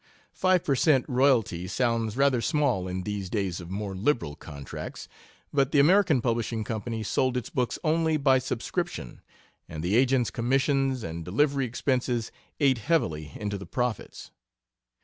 Five per cent. royalty sounds rather small in these days of more liberal contracts. But the American Publishing Company sold its books only by subscription, and the agents' commissions and delivery expenses ate heavily into the profits.